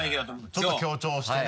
ちょっと強調してね。